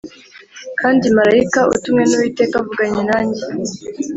kandi marayika utumwe n’Uwiteka avuganye nanjye